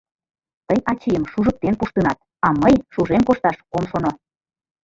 — Тый ачийым шужыктен пуштынат, а мый шужен кошташ ом шоно.